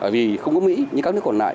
vì không có mỹ nhưng các nước còn lại